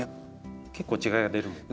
結構違いが出るんですよ。